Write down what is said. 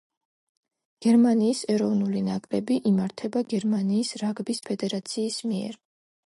გერმანიის ეროვნული ნაკრები იმართება გერმანიის რაგბის ფედერაციის მიერ.